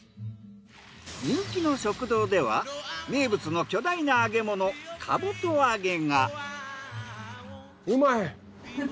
人気の食堂では名物の巨大な揚げ物かぶと揚げが。